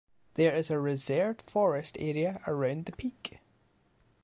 There is a reserved forest area around the peak.